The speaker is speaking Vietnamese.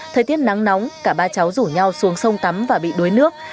thời tiết nắng nóng cả ba cháu rủ nhau xuống sông tắm và bị đuối nước